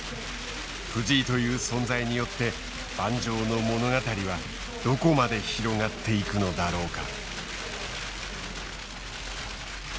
藤井という存在によって盤上の物語はどこまで広がっていくのだろうか。